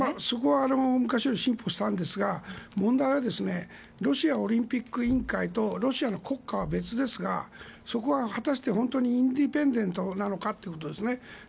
それは昔より進歩したんですが問題はロシアオリンピック委員会とロシアの国家は別ですがそこは果たして本当にインディペンデントなのかということですね。